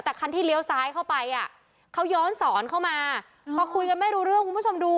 แต่คันที่เลี้ยวซ้ายเข้าไปอ่ะเขาย้อนสอนเข้ามาพอคุยกันไม่รู้เรื่องคุณผู้ชมดู